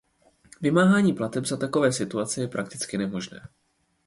Vymáhání plateb za takové situace je prakticky nemožné.